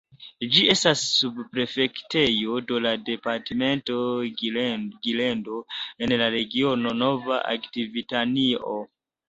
Ĝi estas subprefektejo de la departemento Gironde, en la regiono Nova Akvitanio.